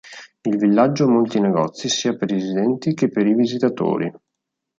Il villaggio ha molti negozi sia per i residenti che per i visitatori.